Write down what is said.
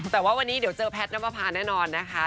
แต่ว่าวันนี้เดี๋ยวเจอแพทย์น้ำประพาแน่นอนนะคะ